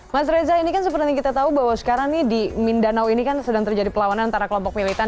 mas reza ini kan seperti yang kita tahu bahwa sekarang nih di mindanao ini kan sedang terjadi pelawanan antara kelompok militan